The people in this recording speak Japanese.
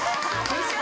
でしょ？